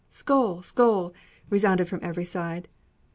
"Skoal! skoal!" resounded from every side.